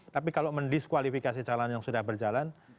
tapi kalau mendiskualifikasi calon yang sudah berjalan